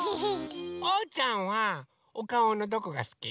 おうちゃんはおかおのどこがすき？